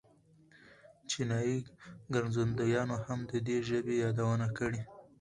چینایي ګرځندویانو هم د دې ژبې یادونه کړې.